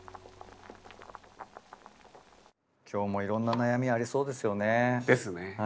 今日もいろんな悩みありそうですよね。ですね。